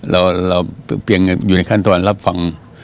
เราเพียงอยู่ในขั้นตอนรับฟัง